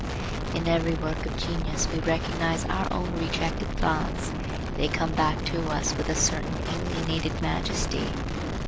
In every work of genius we recognize our own rejected thoughts; they come back to us with a certain alienated majesty.